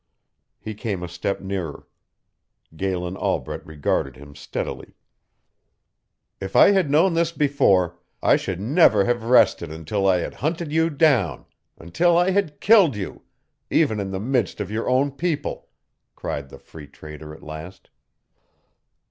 He came a step nearer. Galen Albret regarded him steadily. "If I had known this before, I should never have rested until I had hunted you down, until I had killed you, even in the midst of your own people!" cried the Free Trader at last.